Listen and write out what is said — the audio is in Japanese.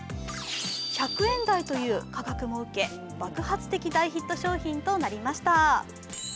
１００円台という価格も受け爆発的大ヒット商品となりました。